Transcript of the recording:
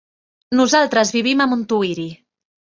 Nosaltres vivim a Montuïri.